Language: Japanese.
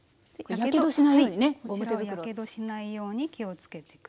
やけどしないように気をつけて下さい。